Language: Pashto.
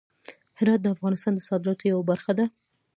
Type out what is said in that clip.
هرات د افغانستان د صادراتو یوه برخه ده.